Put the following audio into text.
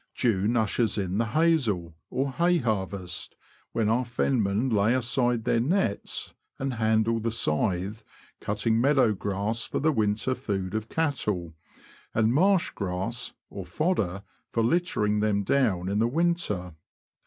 June ushers in the ''haysel," or hay harvest, when our fenmen lay aside their nets and handle the scythe, cutting meadow grass for the winter food of cattle, and marsh grass, or fodder, for littering them down in the winter.